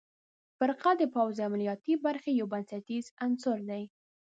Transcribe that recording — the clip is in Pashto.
فرقه د پوځ د عملیاتي برخې یو بنسټیز عنصر دی.